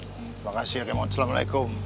terima kasih kemud assalamu'alaikum